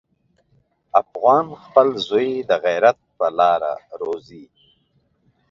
افغان خپل زوی د غیرت په لاره روزي.